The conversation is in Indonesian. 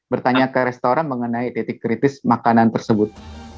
bertanya ke restoran mengenai titik kritis makanan tersebut